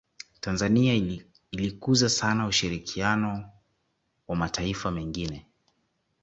tanzania ilikuza sana ushirikiano na mataifa mengine